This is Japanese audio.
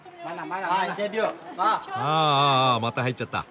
あああまた入っちゃった。